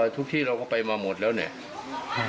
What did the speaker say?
ที่เราก็ไปมาหมดแล้วเนี่ย